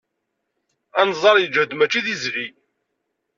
Anẓar yeǧhed mačči d izli.